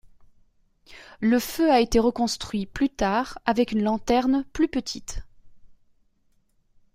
Le feu a été reconstruit plus tard avec une lanterne plus petite.